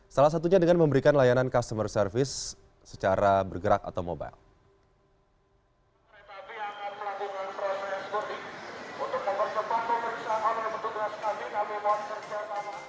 salah satunya dengan memberikan layanan customer service secara bergerak atau mobile